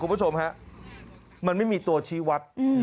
คุณผู้ชมฮะมันไม่มีตัวชี้วัด